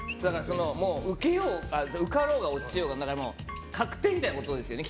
もう、受かろうが落ちようが確定みたいなことですよね。